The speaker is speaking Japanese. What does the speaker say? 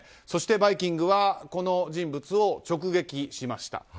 そして、「バイキング」はこの人物を直撃しました。